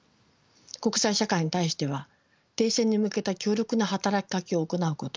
国際社会に対しては停戦に向けた強力な働きかけを行うこと